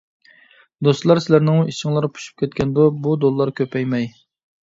دوستلار سىلەرنىڭمۇ ئىچىڭلار پۇشۇپ كەتكەندۇ بۇ دوللار كۆپەيمەي!